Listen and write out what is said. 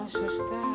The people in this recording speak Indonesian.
udah sus teraduk